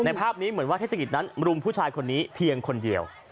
ภาพนี้เหมือนว่าเทศกิจนั้นรุมผู้ชายคนนี้เพียงคนเดียว